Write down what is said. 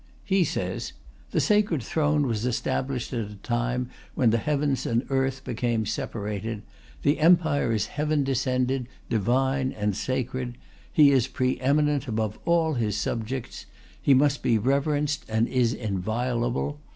He says, "The Sacred Throne was established at the time when the heavens and earth became separated. The Empire is Heaven descended, divine and sacred; He is pre eminent above all His subjects. He must be reverenced and is inviolable.